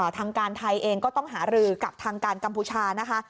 ทางการไทยเองก็ต้องหารือกับทางการกัมพูชานะคะ